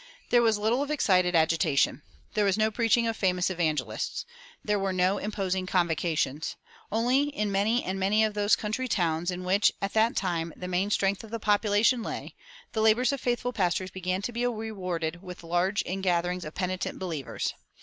There was little of excited agitation. There was no preaching of famous evangelists. There were no imposing convocations. Only in many and many of those country towns in which, at that time, the main strength of the population lay, the labors of faithful pastors began to be rewarded with large ingatherings of penitent believers.